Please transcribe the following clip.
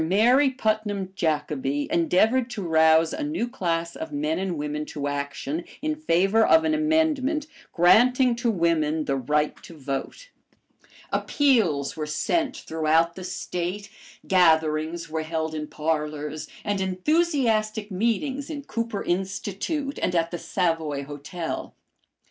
Mary Putnam Jacobi endeavored to rouse a new class of men and women to action in favor of an amendment granting to women the right to vote. Appeals were sent throughout the State, gatherings were held in parlors, and enthusiastic meetings in Cooper Institute and at the Savoy Hotel.